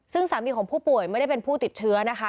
ซึ่งสามีของผู้ป่วยไม่ได้เป็นผู้ติดเชื้อนะคะ